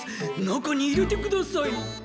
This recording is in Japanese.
中に入れてください。